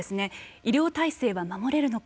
医療体制は守れるのか。